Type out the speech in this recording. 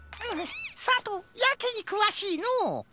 さとうやけにくわしいのう。